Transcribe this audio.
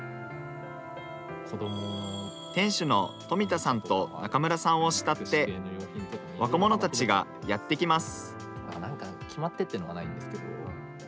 店主の富田さんと仲村さんを慕って若者たちがやってきます。